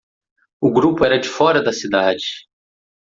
O grupo era de fora da cidade.